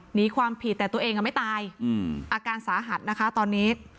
หนีความผิดแต่ตัวเองไม่ตายอาการสาหัสนะคะตอนนี้